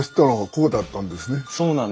そうなんですよ。